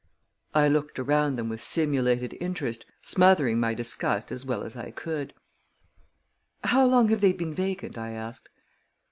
I looked around them with simulated interest, smothering my disgust as well as I could. "How long have they been vacant?" I asked.